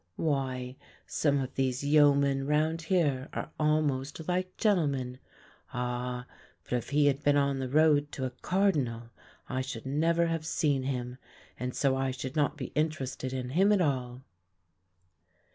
Why, some of these yeomen round here are almost like gentlemen. Ah! but if he had been on the road to a cardinal, I should never have seen him and so I should not be interested in him at all.